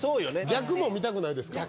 逆も見たくないですか？